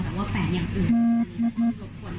แต่ว่าแฟนอย่างอื่นตรวจควรท่านตรวจสอบด้วยนะคะ